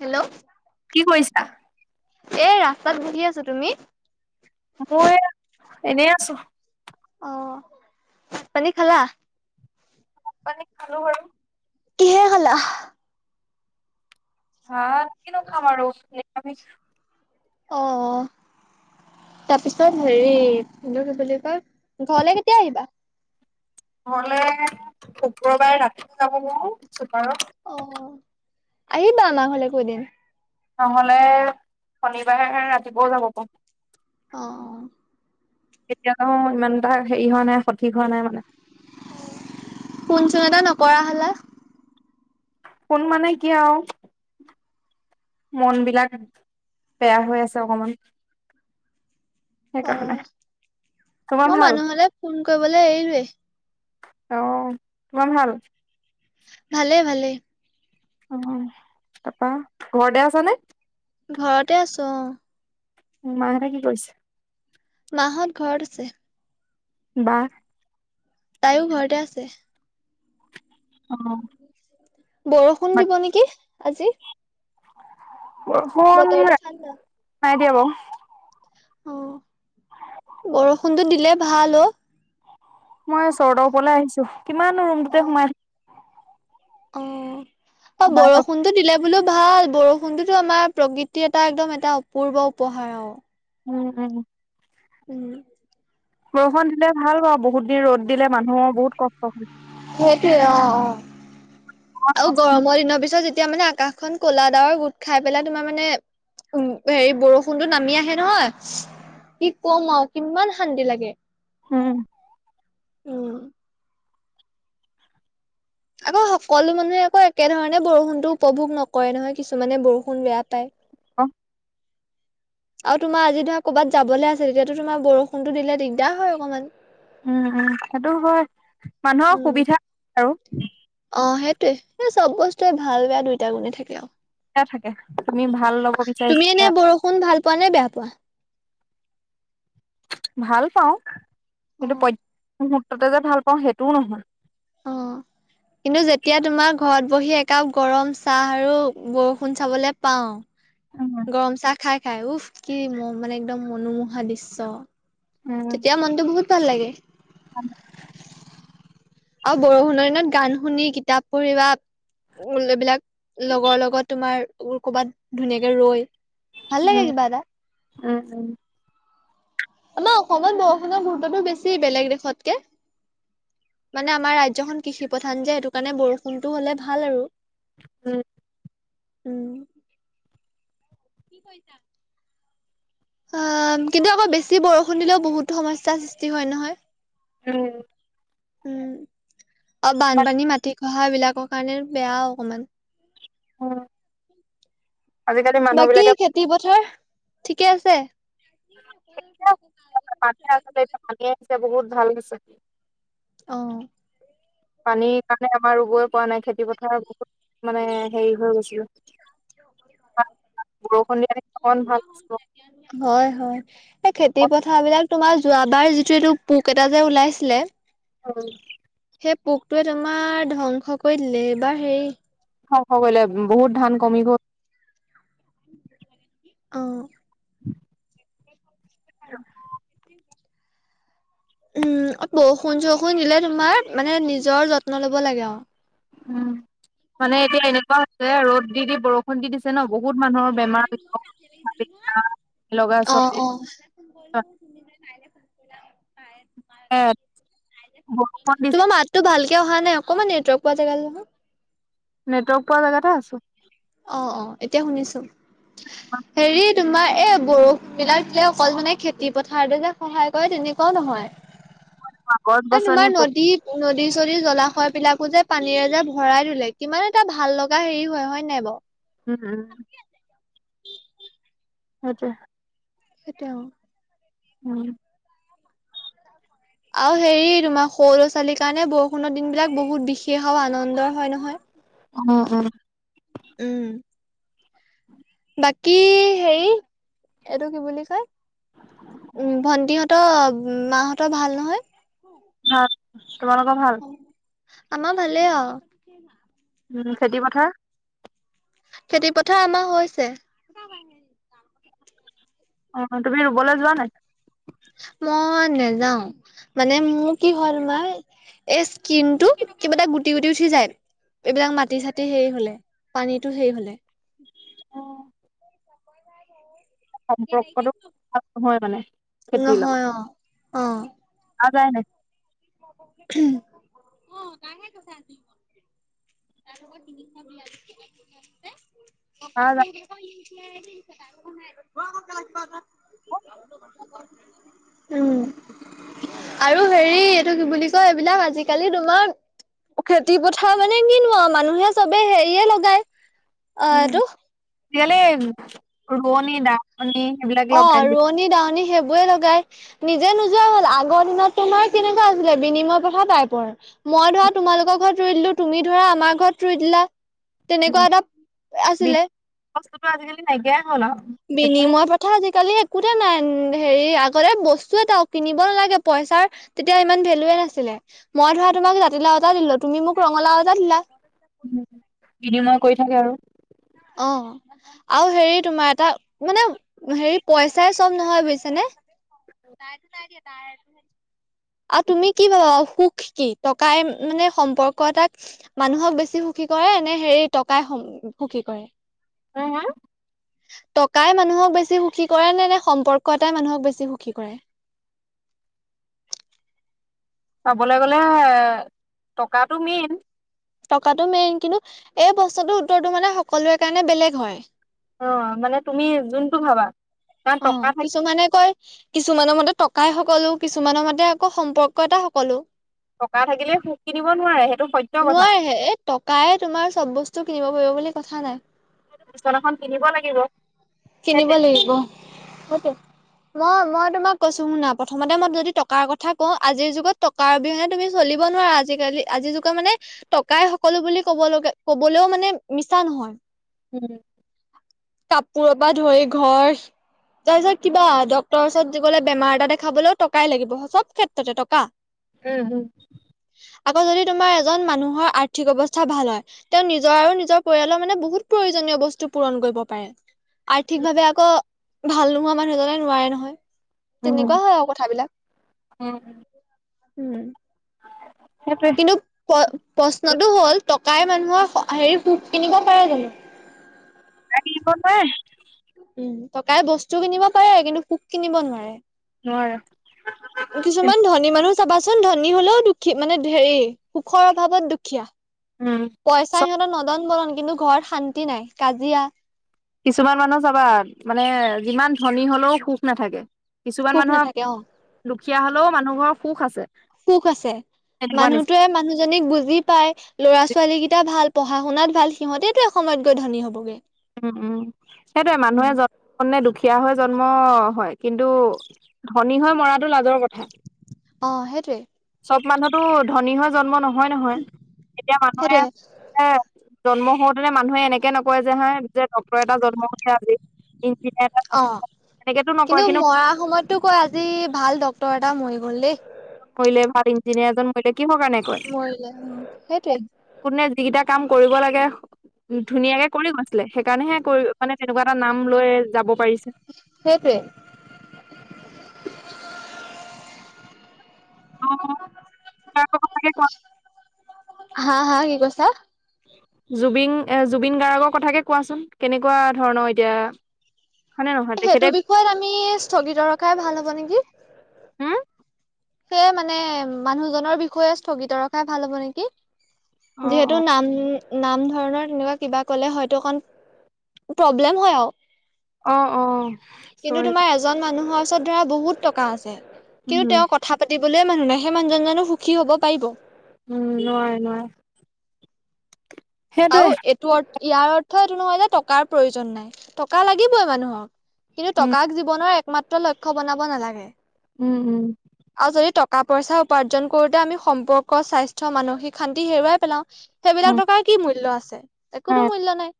Hello. কি কৰিছা? এ ৰাস্তাত বহি আছোঁ। তুমি? মই এনেই আছোঁ। অ', ভাত পানী খালা? ভাত পানী খালো বাৰু। কিহে খালা? ভাত কিনো খাম আৰু নিৰামিষ। অ'। তাৰ পিছত হেৰি, এটো কি বুলি কয় ঘৰলে কেতিয়া আহিবা? ঘৰলে শুক্ৰবাৰে ৰাতিও যাব পাৰো অ', আহিবা আমাৰ ঘৰলেকো এদিন। নহ'লে শনিবাৰে ৰাতিপুৱাও যাব পাৰো। অ'। কেতিয়া যাওঁ মই ইমানটা হেৰি হোৱা নাই সঠিক হোৱা নাই মানে। ফোন-চোন এটা নকৰা হ'লা। ফোন মানে কি আৰু মন বিলাক, বেয়া হৈ আছে অকমান। অ সেইকাৰণে নাই, মই তোমাৰ ভাল? মানুহলে ফোন কৰিবলে এৰিলোঁৱেই। অ, তোমাৰ ভাল? ভালে, ভালেই। অ, তাৰপা ঘৰতে আছ নে? ঘৰতে আছোঁ অ'। উম, মাঁহতে কি কৰিছে? মাঁহত ঘৰত আছে। বা? তাইও ঘৰতে আছে। অ'। বৰষুণ দিব বাকী নেকি, আজি। বৰষুণ, বতৰটো ঠাণ্ডা। নাই দিয়া বাৰু। অ' বৰষুণতটো দিলে ভাল অ'। মই চৰৰতৰ ওপৰলৈ আহিছো, কিমান ৰুমটোতে অ সোমাই থাকো‌ অ' অ' থাক বৰষুণতো দিলে বোলো ভাল বৰষুণটোতো আমাৰ প্ৰকৃতিৰ এটা একদম এটা অপূৰ্ব উপহাৰ, অ'। উম উম। উম। বৰষুণ দিলে ভাল ব বহুত দিন ৰ'দ দিলে মানুহৰ বহুত কষ্ট হয়। সেইটোয়ে অ' অ' আৰু গৰমৰ দিনৰ পিছত যেতিয়া মানে আকাশ এখন ক'লা দাৱৰ গোট খাই পেলাই তোমাৰ মানে উ হেৰি বৰষুণতটো নামি আহে নহয়, কি কম আৰু কিমান শান্তি লাগে। হম। উম। আকৌ সকলো মানুহে আকৌ একেধৰণে বৰষুণতো উপভোগ নকৰে নহয়, কিছুমানে বৰষুণ বেয়া পায়। অ'। আৰু তোমাৰ আজি ধৰা ক'ৰবাত যাবলৈ আছে, তেতিয়াতো তোমাৰ বৰষুণতো দিলে দিগদাৰ হয় অকণমান। উম উম সেইটো হয়, মানুহৰ উম। সুবিধা, আৰু। অ' সেইটয়ে এই চব বস্তুৱে ভাল বেয়া দুইটা গুণে থাকে আৰু। থাকে তুমি ভাল লগবা তুমি এনে বৰষুণ ভাল পোৱা নে বেয়া পোৱা? ভাল পাওঁ, কিন্তু পদ্য অ মুহূুৰ্ততে যে ভাল পাওঁ সেইটোও নহয়। অ'। কিন্তু যেতিয়া তোমাৰ ঘৰত বহি একাপ গৰম চাহ আৰু বৰষুণ চাবলৈ পাও। উম গৰম চাহ খাই খাই, উফ কি ম মানে একদম মনোমোহা দৃশ্য। তেতিয়া মনতটো বহুত ভাল লাগে। অ'। আৰু বৰষুণৰ দিনত গান শুনি কিতাপ পঢ়ি বা, এইবিলাক লগৰ লগত তোমাৰোৰ কৰ'বাত ধুনীয়াকে ৰৈ, ভাল উম লাগে কিবা এটা। উম উম। আমাৰ অসমত বৰষুণৰ মুহূৰ্ততটো বেছি বেলেগ দেশতকে। মানে আমাৰ ৰাজ্্যখন কৃষি প্ৰধান যে সেইটো কাৰণে বৰষুণতো হলে ভাল আৰু। উম। উম। কি কৈছা? কিন্তু আকৌ বেছি বৰষুণ দিলেও বহুতো সমস্যাৰ সৃষ্টি হয় নহয়। উম। উম, অ' বাট বানপানী মাটি খহা এইবিলাকৰ কাৰণে বেয়া অকমান। অ'। বাকী বিলাকে খেতি পথাৰ ঠিকে আছে? আছে আছে, ভালে আছে, বহুত ভাল হৈছে। অ'। পানীৰ কাৰণে আমাৰ ৰুবই পৰা নাই, খেতি পথাৰ বহুত মানে হেৰি হৈ গৈছিল। বৰষুণ দিয়া মান ভাল। হয় হয়। এই খেতি পথাৰবিলাক তোমাৰ যোৱাবাৰ যিটো এইটো পোক এটা যে ওলাইছিলে হয়। সেই পোকটোৱে তোমাৰ ধ্বংস কৰি দিলে, এইবাৰ হেৰি খ খ কৰিলে বহুত ধান কমি গ'ল। অ'। [unintelligible] উম, বৰষুণ চৰষুণ দিলে তোমাৰ মানে নিজৰ যত্ন ল'ব লাগে আৰু। উম, মানে এতিয়া এনেকুৱা আ, হৈছে ৰ'দ দি দি বৰষুণ খুন্দি দিছে ন' বহুত মানুহৰ বেমাৰ লগা চ বলো তুমি মই নাই ফোন ইয়াত বৰষুণ দিছে। ত' ভালকে অহা নাই ককমান নেটৱৰ্ক পোৱা জাগালে আহা। নেটৱৰ্ক পোৱা জেগাতে আছো। অ', অ' এতিয়া শুনিছো। হেৰিত তোমাৰ এ, বৰষুণবিলাকলে অকল মানে খেতি পথাৰতে যে সহায় কৰে তেনেকুৱাও নহয়। গছ এই গছনি তোমাৰ নদীত নদী চদী জলাশয়বিলাকো যে পানীৰে যে ভৰাই দলে, কিমান এটা ভাল লগা হেৰি হয়, হয় নে নাই বাৰু? উম, উম। সেইটোৱেই। সেইটোৱে অ'। উম। আৰু হেৰি তোমাৰ সৰু ল'ৰা ছোৱালীৰ কাৰণে বৰষুণৰ দিনবিলাক বহুত বিশেষ আৰু আনন্দৰ হয় নহয়। উম, উম। উম। বাকী হেৰি এইটো কি বুলি কয়, উ, ভন্টিহঁতৰ, মাহঁতৰ ভাল নহয়? ভাল। তোমালোকৰ ভাল? আমাৰ ভালে অ'। কি মাছ? উ, খেতি পথাৰ? খেতি পথাৰ আমাৰ হৈছে। [unintelligible] অ' তুমি ৰুবলৈ যোৱা নাই? মই নেযাও, মানে মোৰ কি হ'ল মই এই স্কিনটো কিবা এটা গুটি গুটি উঠি যায়। এইবিলাক মাটি চাটি হেৰি হ'লে, পানীতো হেৰি হ'লে। নাই সম্পৰ্কটো ভাল নহয় মানে খেতিৰ নহয় অ অ লগত। নাযায় নে? উ। [unintelligible] আছে। অ' বাই [unintelligible] ক উম আৰু হেৰি এইটো কি বুলি কয় এইবিলাক আজিকালি তোমাৰ খেতি পথাৰ মানে কিনো মানুহে চবে হেৰিয়ে লগায় অ এইটো এতিয়াললে ৰণী দা অ ৰোৱনী দাৱনী সেইবোে লগ নিজে নোযোৱা হল আগৰ দিনত তোমাৰ কেনেকুৱা আছিলে বিনিময় কথা পাই পৰ মই ধৰা তোমালোকৰ ঘৰত ৰই দিলো তুমি ধৰা আমাৰ ঘৰত ৰৰুই দিলা তেনেকুৱা এটা আছিলে বস্তুতটো আজিকালি নাইকিয়াই হল আৰু একো বিনিময় শা আজিকালি একোতে নাই হেৰি আগতে বস্তু এটা কিনিব নালাগে পইচাৰ তেতিয়া ইমান ভেলুৱে নাছিলে মই ধৰা তোমাক জাতিলাও এটা দিলো তুমি মোক ৰঙালাওজটা দিলা উ বিনিময় কৰি থাকে আৰু অ আৰু হেৰি তোমাৰ এটা মানে হেৰি পইচাই চব নহয় বুজিছেনেে তাইটোো চাইতিয়া ত আৰু তুমি কি পাবা সুখ কি টকাই মানে সম্পৰ্ক এটাক মানুহক বেছি সুখী কৰে নে হেৰি টকাই সুখী কৰে অ হা টকাই মানুহক বেছি সুখী কৰে নে নে সম্পৰ্ক এটাই মানুহক বেছি সুখী কৰে চাবলৈ গ'লে টকাাতটো মেইন টকাটো মেইন কিন্তু এই প্ৰশ্নটোৰ উত্তৰটো মানে সকলোৰে কাৰণে বেলেগ হয় অ মানে তুমি যোনটো ভাবা কাৰণ অ টকা থাক কিছুমানে কয় কিছুমানৰ মতে টকাই সকলো কিছুমানৰ মতে আকৌ সম্পৰ্ক এটা সকলো ককা থাকিলে শু কিনিব নোৱাৰে সেইটো স্য নোৱাৰ হে এই টকায়ে তোমাৰ চব বস্তু কিনিব পাৰিব বুলি কথা নাই বিচনাখন কিনিব লাগিব কিনিব সেই লাগিব হয়ত মই মই তোমাক কৈছো শুনা প্ৰথমতে মই যদি টকাৰ কথা কওঁ আজিৰ যুগত কা কাৰ অবিহনে তুমি চলিব নোৱাৰা আজিকালি আজি যুকা মানে টকাই সকলো বুলি ক'ব লগা কবলৈও মানে মিছা নহয় উম কৰ পৰা ধৰি ঘৰ তাৰপিছত কিবা ড্ক্তৰৰ ওচৰত য গলে বেমাৰ এটা দেখাবলৈও টকাই লাগিব সব ক্ষেত্ৰতে টকা উম উম আকৌ যদি তোমাৰ এজন মানুহৰ আৰ্থিক অৱস্থা ভাল হয় তেওঁ নিজৰ আৰু নিজৰ পৰিয়ালৰ মানে বহুত প্ৰয়োজনীয় বস্তু পূৰণ কৰিব পাৰে আৰ্থিকভাৱে আকৌ ভাল নোহোৱা মানুহজনে নোৱাৰে নহয় উম উম তেনেকুৱা হয় আৰু কথাবিলাক উম সেইটো প্ৰশ্নতটো হ'ল টকাই মানুহৰ হেৰি পু কিনিব পাৰে জানো ত ন উম টকাই বস্তু কিনিব পাৰে কিন্তু পোক কিনিব নোৱাৰে নোৱাৰ কিছুমান ধনী মানুহ চাবাচোন ধনী হলেও দুখী মানে ধেৰি সুখৰ অভাৱত দুখীয়া উম পইচা চব সিহঁতৰ নদন বদন কিন্তু ঘৰত শান্তি নাই কাজিয়া কিছুমান মানুহ চাবা মানে যিমান ধনী হলেও সুখ নাথাকে কিছুমান সুখ মানুহৰ নাথাকে অ, দুখীয়া হলেও মানুহ ঘৰৰ সুখ আছে সুখ আছে তেনেকুৱা নিচিনা। মানুহটোৱে মানুহজনীক বুজি পাই ল'ৰা ছোৱালী কেইটা ভাল পঢ়া শুনাত ভাল, সিহঁতেতটো এসময়ত গৈ ধনী হবগে উম, উম, সেইটোয়ে উম, মানুহে যত মে দুখীয়া হৈ জন্ম হয়, কিন্তু ধনী হৈ মৰাটো লাজৰ কথা অ', হে চব মানুহতো ধনী হৈ জন্ম নহয় নহয় এতিয়া মানুহে সেইটোৱে এ জন্ম হওঁতেনে মানুহে এনেকে নকয় যে, হা যে ডওৰ এটা জন্ম উে আজি এ অ, তেনেকেতো নকয় কিন্তু সটো কৈ আজি ভাল ড্ক্তৰ এটা মৰি গ'ল দেই মলে ভাল ইঞ্জিনিয়াৰ এজন মৰিলে কি হ কাৰণে কয় মৰিলে, অ', সেইটোয়ে কোনে যিকেইটা কাম কৰিব লাগে ধুনীয়াকে কৰি গৈছিলে, সেইকাৰণেহে কৰি মানে তেনেকুৱা এটা নাম লৈ যাব পাৰিছে সেইটোৱ, অ', হা, হা, কি কৈছা? জুবিন জুবিন গাৰ্গৰ কথাকে কোৱাচোন, কেনেকুৱা ধৰণৰ এতিয়া? হয়নে নহয় সেইটো তেখেতে আমি স্থগিত ৰখাই ভাল হ'ব নেকি হা সেয়ে মানে, মানুহজনৰ বিষয়ে স্থগিত ৰখাই ভাল হব নেকি যিহেতু, নাম নাম ধৰণৰ তেনেকুৱা কিবা কলে হয়তো অকণ প্ৰব্লেম হয় আৰু অ অ কিন্তু, চৰি তোমাৰ এজন মানুহৰ ওচৰত ধৰা বহুত টকা আছে কিন্তু উম তেওঁ কথা পাতিবলৈয়ে মানুহ নাই, সেই মুহজনো সুখী হ'ব পাৰিব উম, নোৱাৰে, নোৱ আৰু এইটো, অ ' ইয়াৰ অৰ্থ এইটো নহয় যে টকাৰ প্ৰয়োজন নাই টকা লাগিবই মানুহক কিন্তু, উম টকাক জীৱনৰ একমাত্ৰ লক্ষ্য বনাব নালাগে উম, উম, আৰু যদি টকা পইচা উপাৰ্জন কৰোতে, আমি সম্পৰ্ক স্বাস্থ্য মানসিক শান্তি হেৰুৱাই পেলাও সেইবিলাক উম টকাৰ কি মূল্য আছে একো হয় মূল্য নাই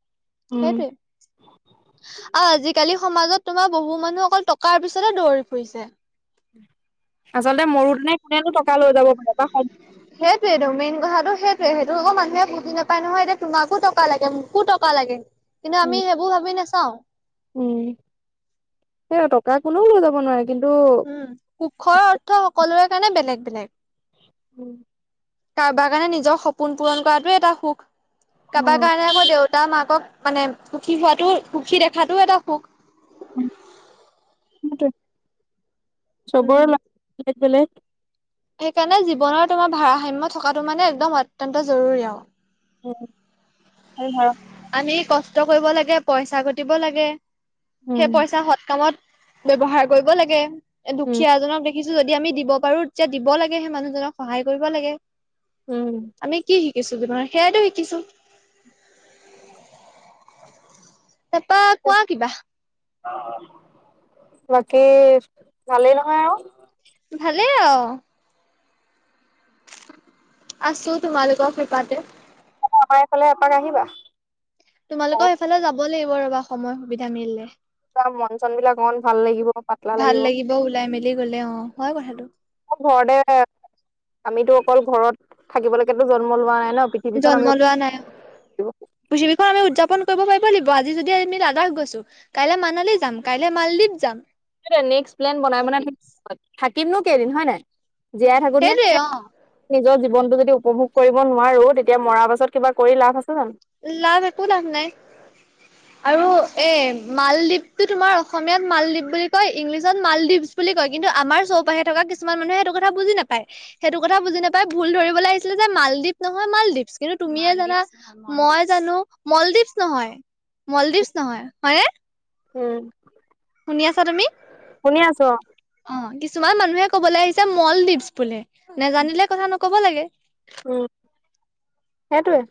উম সেইটোৱে অ', আজিকালি সমাজত তোমাৰ বহু মানুহ অকল টকাৰ পিছতে দৌৰি ফুৰিছে আচল্তে মৰোতেনে কোনেনো টকা লৈ যাব পাৰে সেইটোৱয়েতটো, মেইন কথাটো সেইটোৱে সেইটো, আকৌ মানুহে বুজি নাপায় নহয় এ তোমাকো টকা লাগে মোকো টকা লাগে কিন্তু উম আমি সেইবোৰ ভাবি নাচাও উম, সেই টকা কোনেও লৈ যাব নোৱাৰে, কিন্তু উ, সুখৰ অৰ্থ সকলোৰে কাৰণে বেলেগ বেলেগ উম, কাৰোবাৰ কাৰণে, নিজৰ সপোন পূৰণ কৰাটোে এটা সুখ, কাৰোবাৰ কাৰণে আকৌ দেউতা মাকক মানে সুখী, হোৱাতো সুখী দেখাতটোও এটা সুখ উম। চবৰ, বেলেগ বেলেগ সেইকাৰণে, জীৱনৰ তোমাৰ ভাৰসাময় থকাাতটো মানে একদম অত্যন্ত জৰুৰী আৰু উ, হয়, হা আমি কষ্ট কৰিব লাগে, পইচা গটিব লাগে উম সেই পইচা সৎ কামত ব্যৱহাৰ কৰিব লাগে, এ উম, দুখীয়া জনক দেখি দেখিছো, যদি আমি দিব পাৰো তেতিয়া দিব লাগে সে মানুহজনক সহায় কৰিব লাগে উম, আমি কি শিকিছো, তোাৰ সেয়াইো শিকিছো তাৰপা, কোৱা কিবা বাকী, ভালেই নহয় আৰু ভালে আহ আছো তোমালোকৰ কিপাতে। আমাৰ ফাললে এপাক আহিবা। তোমালোকৰ সেইফালে যাব লাগিব ৰ'বা সময় সুবিধা মিলিলে। অকমান মন চন বিলাক অকমান ভাল লাগিব পাতলা ভাল লাগিব ওলাই মেলি গ'লে অ' হয় কথাটো। ঘৰতে আমিতো অকল ঘৰত থাকিবলৈকেতো জন্ম লোৱা নাই ন পৃথিৱীখন জন্ম আমি লোৱা নাই অ'। পৃথিৱীখন আমি উদযাপন কৰিব পাৰিব লাগিব আজি যদি আমি লাডাখ গৈছো। কাইলৈ মানালী যাম কাইলৈ মালদ্বীপ যাম। নেক্স প্লেন বনাই বনাই থৈ দিম থাকিমনো কেইদিন হয় নাই। জীয়াই থাকো নে সেইটোৱে অ', [unintelligible] নিজৰ জীৱনতটো যদি উপভোগ কৰিব নোৱাৰো তেতিয়া মৰা পাছত কিবা কৰি লাভ আছে জানো। লাভ এক একো লাভ নাই। আৰু এই মালদ্বীপটো তোমাৰ অসমীয়াত মালদ্বীপ বুলি কয় ইংলিছত মালদ্বীপ বুলি কয় কিন্তু আমাৰ চৌপাশে থকা কিছুমান মানুহে সেইটো কথা বুজি নাপায়। সেইটো কথা বুজি নাপাই ভুল ধৰিব লাগিছিলে যে মালদ্বীপ নহয় মালদ্বীপছ। কিন্তু তুমিয়ে জানা মই জানো মলদ্বীপছ নহয় মলদ্বীপছ নহয় হয়নে? উম। শুনি আছা তুমি? শুনি আছো অ', অ', কিছুমান মানুহে কবলৈ আহিছে মলদ্বীপছ বোলে নেজানিলে কথা নক'ব লাগে। উম, সেইটোৱে।